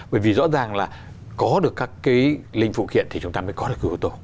bởi vì rõ ràng là có được các cái linh phụ kiện thì chúng ta mới có được cái ưu tố